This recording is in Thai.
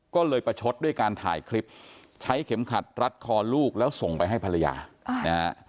ก็เลยประชดด้วยการถ่ายคลิปใช้เข็มขัดรัดคอลูกแล้วส่งไปให้ภรรยานะฮะ